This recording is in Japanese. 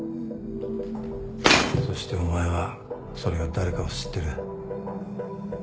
そしてお前はそれが誰かを知ってる。